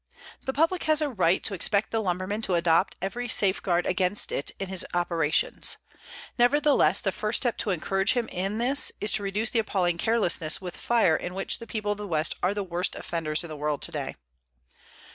The public has a right to expect the lumberman to adopt every safeguard against it in his operations. Nevertheless, the first step to encourage him in this is to reduce the appalling carelessness with fire in which the people of the West are the worst offenders in the world today.